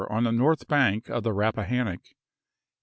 J~\ on the north bank of the Rappahannock, he i863.